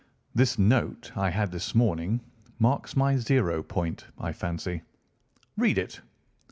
This note I had this morning marks my zero point, I fancy. Read it!"